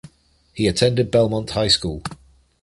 He attended Belmont High School.